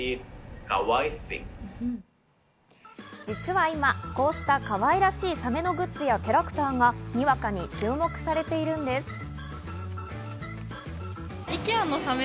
実は今、こうしたかわいらしいサメのグッズやキャラクターがにわかに注目されているんです。